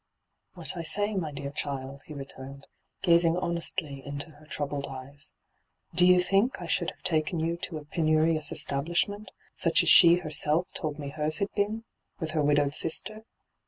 ' What I say, my dear child,' he returned, gazing honestiy into her troubled eyes. ' Do you think I should have taken you to a penurious establishment, such aa she herself hyGoo^lc ENTRAPPED 261 told me hers had been, with her widowed Bister